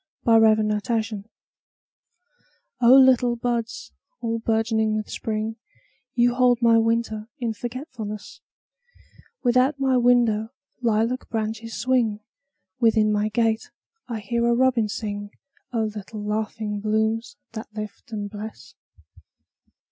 A Song in Spring O LITTLE buds all bourgeoning with Spring, You hold my winter in forgetfulness; Without my window lilac branches swing, Within my gate I hear a robin sing—O little laughing blooms that lift and bless!